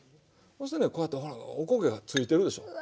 そしてねこうやってほらおこげが付いてるでしょう。